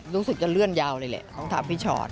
รู้สึกจะเลื่อนยาวเลยแหละต้องถามพี่ชอต